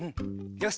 よし。